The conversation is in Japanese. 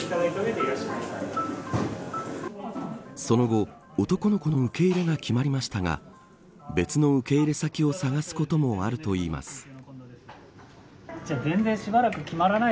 その後、男の子の受け入れが決まりましたが別の受け入れ先を探すこともあるといいます。